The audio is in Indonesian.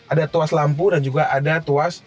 ada tuas lampu dan juga ada tuas